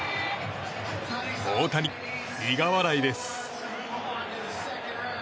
大谷、苦笑いです。